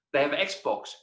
mereka punya xbox